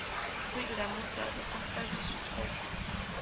Rue de la Montade, Arpajon-sur-Cère